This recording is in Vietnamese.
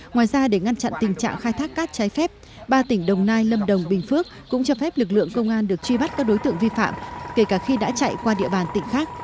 ngoài ra để ngăn chặn tình trạng khai thác cát trái phép ba tỉnh đồng nai lâm đồng bình phước cũng cho phép lực lượng công an được truy bắt các đối tượng vi phạm kể cả khi đã chạy qua địa bàn tỉnh khác